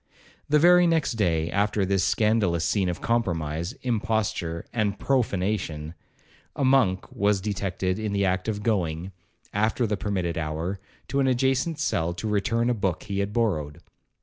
The very next day after this scandalous scene of compromise, imposture, and profanation, a monk was detected in the act of going, after the permitted hour, to an adjacent cell to return a book he had borrowed.